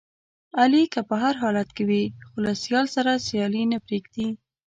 علي که په هر حالت وي، خو له سیال سره سیالي نه پرېږدي.